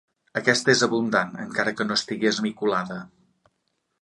Aquesta és abundant, encara que no estigui esmicolada.